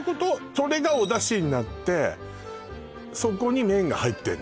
それがお出汁になってそこに麺が入ってんの？